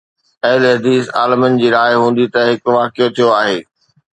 اهلحديث عالمن جي راءِ هوندي ته هڪ واقعو ٿيو آهي.